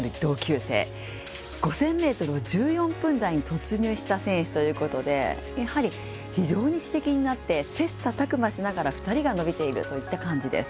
５０００ｍを１４分台に突入した選手ということでやはり非常に刺激になって切磋琢磨しながら２人が伸びているといった感じです。